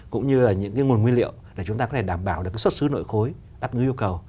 cũng như là những cái nguồn nguyên liệu để chúng ta có thể đảm bảo được cái xuất xứ nội khối đáp ứng yêu cầu